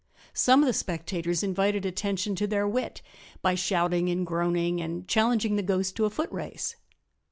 Some of the spectators invited attention to their wit by shouting and groaning and challenging the ghost to a footrace.